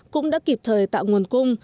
cũng đã kịp thời tạo nguồn cung